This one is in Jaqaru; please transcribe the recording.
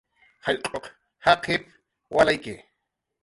"Jallq'uq jaqip"" walayki"